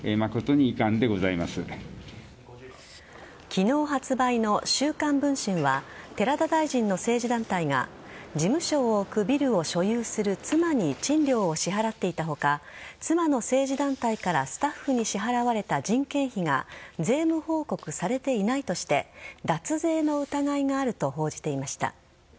昨日発売の「週刊文春」は寺田大臣の政治団体が事務所を置くビルを所有する妻に賃料を支払っていた他妻の政治団体からスタッフに支払われた人件費が税務報告されていないとして脱税の疑いがあると報じていました。